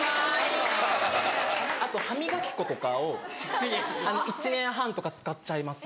あと歯磨き粉とかを１年半とか使っちゃいます